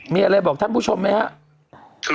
มีอะไรบอกท่านผู้ชมไหมครับ